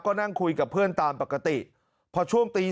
ก็นั่งคุยกับเพื่อนตามปกติพอช่วงตี